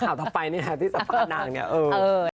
ข่าวต่อไปนี่นะพี่สัมภาษณ์นางนี่